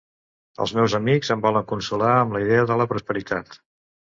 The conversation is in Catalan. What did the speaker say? Els meus amics em volen consolar amb la idea de la posteritat.